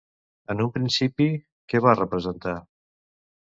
En un principi, què va representar?